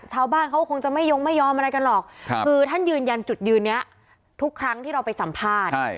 ชาวบ้านเขาคงจะไม่ยงไม่ยอมอะไรกันหรอกคือท่านยืนยันจุดยืนนี้ทุกครั้งที่เราไปสัมภาษณ์